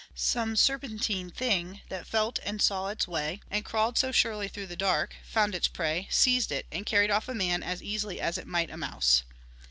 Some serpentine thing that felt and saw its way and crawled so surely through the dark found its prey seized it and carried off a man as easily as it might a mouse.